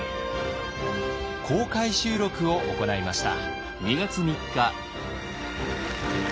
公開収録を行いました。